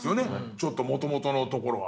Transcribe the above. ちょっともともとのところは。